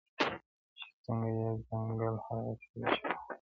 o چي څنگه ئې ځنگل، هغسي ئې چغالان!